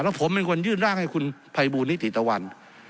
แล้วผมเป็นคนยื่นร่างให้คุณภัยบูลนิติตะวัน